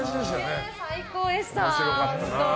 最高でした。